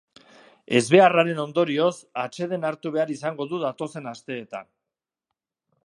Ezbeharraren ondorioz, atseden hartu behar izango du datozen asteetan.